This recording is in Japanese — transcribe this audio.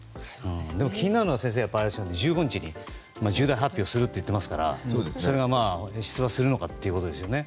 でも気になるのは、先生１５日に重大発表をすると言っていますからそれが出馬するのかということですよね。